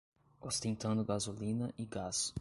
Ostentando gasolina e gás